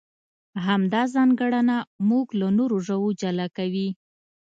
همدا ځانګړنه موږ له نورو ژوو جلا کوي.